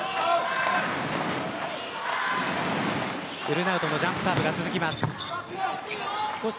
ウルナウトのジャンプサーブが続きます。